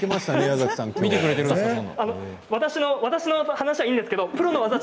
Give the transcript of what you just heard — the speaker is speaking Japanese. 私の話はいいんですがプロの話を。